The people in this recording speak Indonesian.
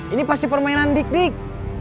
ini pasti permainan dik dik